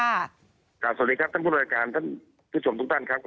สวัสดีครับท่านผู้รายการท่านผู้ชมทุกท่านครับ